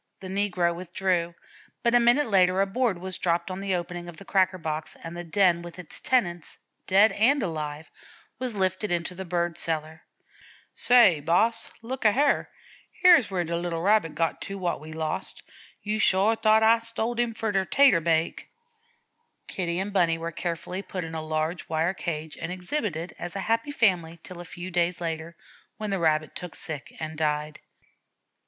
The negro withdrew, but a minute later a board was dropped on the opening of the cracker box, and the den with its tenants, dead and alive, was lifted into the bird cellar. "Say, boss, look a hyar hyar's where de little Rabbit got to wot we lost. Yo' sho t'ought Ah stoled him for de 'tater bake." Kitty and Bunny were carefully put in a large wire cage and exhibited as a happy family till a few days later, when the Rabbit took sick and died.